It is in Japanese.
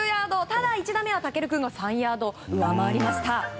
ただ、１打目は嵩琉君が３ヤード上回りました。